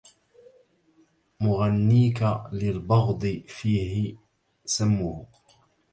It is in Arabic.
مغنيك للبغض فيه سمه